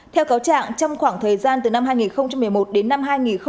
theo cáo trạng trong khoảng thời gian từ năm hai nghìn một mươi một đến năm hai nghìn một mươi bảy